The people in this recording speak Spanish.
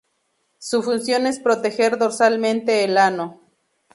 Su función es proteger dorsalmente el ano.